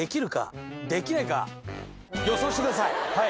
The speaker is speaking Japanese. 予想してください。